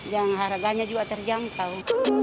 yang harganya juga terjangkau